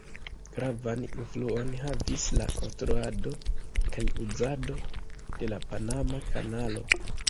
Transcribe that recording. Gravan influon havis la konstruado kaj uzado de la Panama Kanalo.